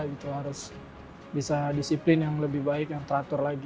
itu harus bisa disiplin yang lebih baik yang teratur lagi